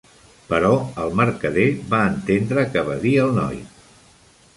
Però el mercader va entendre què va dir el noi.